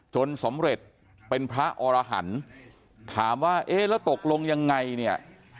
จนสำเร็จเป็นพระอรหันธ์ถามว่าแล้วตกลงยังไง